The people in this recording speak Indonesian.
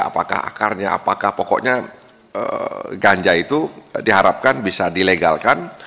apakah akarnya apakah pokoknya ganja itu diharapkan bisa dilegalkan